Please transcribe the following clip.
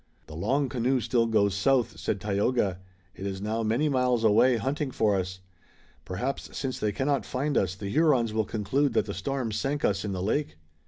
"The long canoe still goes south," said Tayoga. "It is now many miles away, hunting for us. Perhaps since they cannot find us, the Hurons will conclude that the storm sank us in the lake!"